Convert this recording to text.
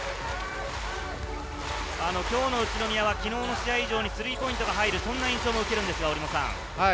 今日の宇都宮は昨日の試合以上にスリーポイントが入る、そんな印象も受けます。